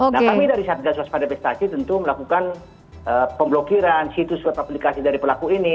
nah kami dari satgas waspada investasi tentu melakukan pemblokiran situs web aplikasi dari pelaku ini